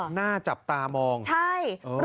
หน้าจับตามองใช่